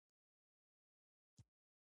ملي حاکمیت د خلکو د استازو لخوا تمثیلیږي.